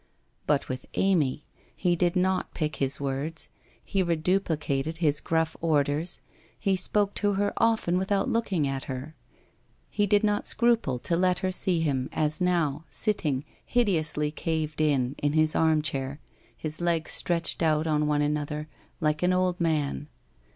But with Amy, he did not pick his words, he reduplicated his gruff orders, he spoke to her often without looking at her. He did not scruple to let her see him as now, sitting, hideously caved in, in his armchair, his legs stretched out one on WHITE ROSE OF WEARY LEAF 333 another, like an old man.